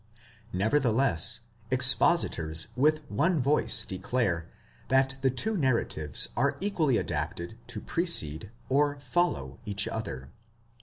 Nevertheless, expositors with one voice declare that the two narratives are equally adapted to precede, or follow, each other.